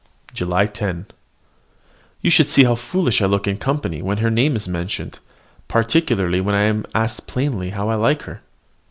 JULY 10. You should see how foolish I look in company when her name is mentioned, particularly when I am asked plainly how I like her.